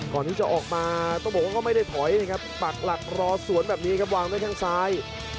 ก่อนที่จะออกมาต้องบอกว่าก็ไม่ได้ถอยนะครับปักหลักรอสวนแบบนี้ครับวางด้วยแข้งซ้าย